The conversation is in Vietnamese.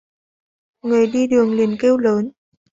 người đi đường liền kêu lớn